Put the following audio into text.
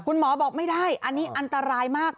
คุณหมอบอกไม่ได้อันนี้อันตรายมาก